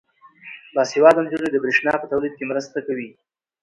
باسواده نجونې د برښنا په تولید کې مرسته کوي.